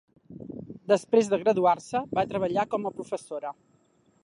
Després de graduar-se, va treballar com a professora.